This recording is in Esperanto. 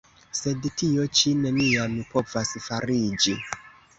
Sed tio ĉi neniam povas fariĝi!